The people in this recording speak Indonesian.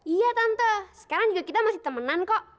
iya tante sekarang juga kita masih temenan kok